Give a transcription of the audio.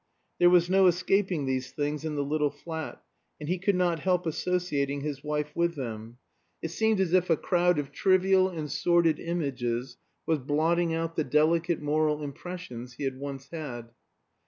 There was no escaping these things in the little flat, and he could not help associating his wife with them: it seemed as if a crowd of trivial and sordid images was blotting out the delicate moral impressions he had once had.